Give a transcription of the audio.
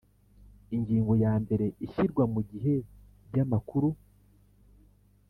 Ingingo ya mbere Ishyirwa ku gihe ry amakuru